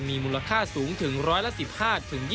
มีมูลค่าสูงถึงร้อยละ๑๕๒๐